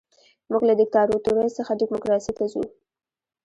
موږ له دیکتاتورۍ څخه ډیموکراسۍ ته ځو.